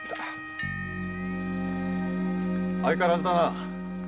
相変わらずだな。